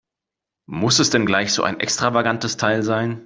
Muss es denn gleich so ein extravagantes Teil sein?